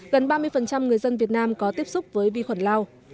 gần ba mươi người dân việt nam có tiếp xúc với vi khuẩn lao